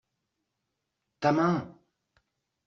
Ta main.